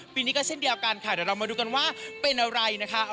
ปีนี้ก็เช่นเดียวกันค่ะเดี๋ยวเรามาดูกันว่าเป็นอะไรนะคะ